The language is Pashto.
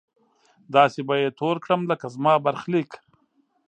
داسې به يې تور کړم لکه زما برخليک